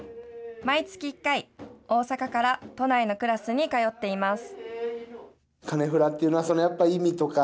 毎月１回、大阪から都内のクラスに通っています。